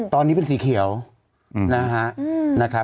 ตอนนี้เป็นสีเขียวนะครับ